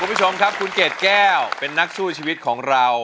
คุณผู้ชมครับคุณเกดแก้วเป็นนักสู้ชีวิตของเรา